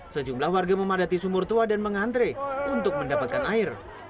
sejumlah warga memadati sumur tua dan mengantre untuk mendapatkan air